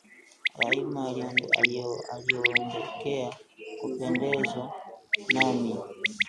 Rahma aliondekea kupendezwa nami